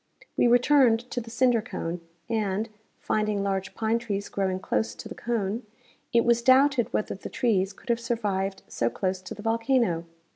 We returned to the cinder cone and, finding large pine trees growing close to the cone, it was doubted whether the trees could have survived so close to the volcano.